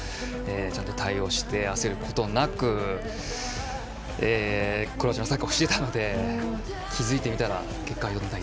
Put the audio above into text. ちゃんと対応して焦ることなくクロアチアのサッカーをしていたので気付いてみたら、結果、４対１。